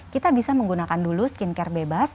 kita bisa menggunakan dulu skin care bebas